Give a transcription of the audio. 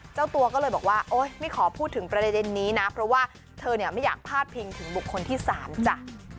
เจ้าตัวก็เลยบอกว่าโอ๊ยไม่ขอพูดถึงประเด็นนี้นะเพราะว่าเธอเนี่ยไม่อยากพาดพิงถึงบุคคลที่๓จ้ะ